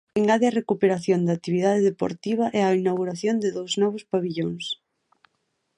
Engade a recuperación da actividade deportiva e a inauguración de dous novos pavillóns.